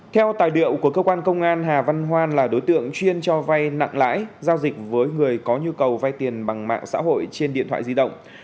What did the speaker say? theo tài liệu của cơ quan công an hà văn hoan là đối tượng chuyên cho vay nặng lãi giao dịch với người có nhu cầu vay tiền bằng mạng xã hội trên điện thoại di động